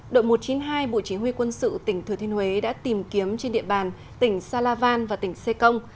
đội một trăm chín mươi hai bộ chỉ huy quân sự tỉnh thừa thiên huế đã tìm kiếm trên địa bàn tỉnh sa la van và tỉnh xê công